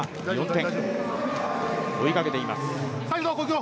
４点、追いかけています。